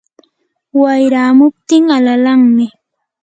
wayramuptin alalanmi.